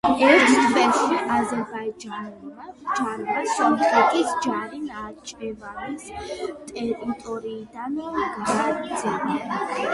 ერთ თვეში აზერბაიჯანულმა ჯარმა სომხეთის ჯარი ნახჭევანის ტერიტორიიდან გააძევა.